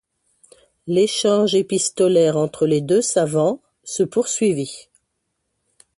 L'échange épistolaire entre les deux savants se poursuivit.